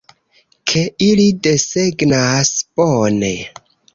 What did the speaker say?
Ke ili desegnas, bone.